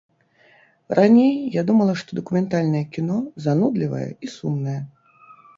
Раней я думала, што дакументальнае кіно занудлівае і сумнае.